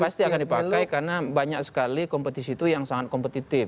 pasti akan dipakai karena banyak sekali kompetisi itu yang sangat kompetitif